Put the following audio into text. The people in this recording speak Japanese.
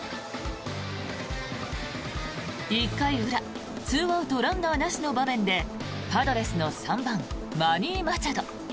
１回裏２アウト、ランナーなしの場面でパドレスの３番マニー・マチャド。